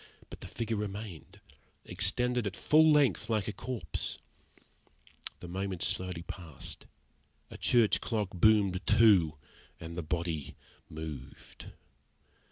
But the figure remained extended at full length like a corpse. The minutes slowly passed, a church clock boomed two, and the body moved.